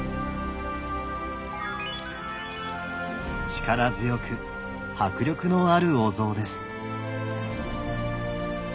力強く迫力のあるお像です。